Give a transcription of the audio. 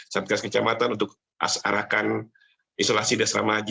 satgas kecamatan untuk arahkan isolasi di asrama haji